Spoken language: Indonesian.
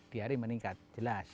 diare meningkat jelas